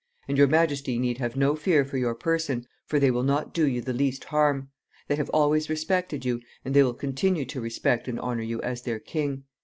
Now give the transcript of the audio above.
"And your majesty need have no fear for your person, for they will not do you the least harm. They have always respected you, and they will continue to respect and honor you as their king.